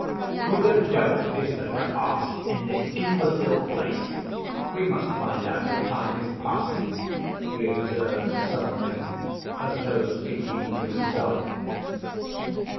"Who the devil is there to ask in this imbecile place? We must find out, for time is passing," he observed suddenly, as though speaking to himself.